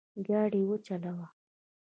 ګاډی وچلوه